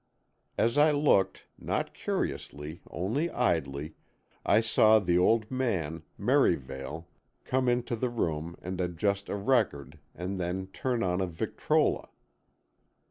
As I looked, not curiously, only idly, I saw the old man, Merivale, come into the room and adjust a record and then turn on a victrola.